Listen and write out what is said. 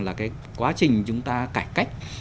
là cái quá trình chúng ta cải cách